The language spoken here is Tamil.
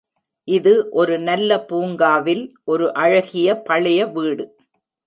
இது ஒரு நல்ல பூங்காவில் ஒரு அழகிய பழைய வீடு.